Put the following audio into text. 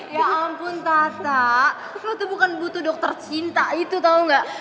ya ampun tata lo tuh bukan butuh dokter cinta itu tau gak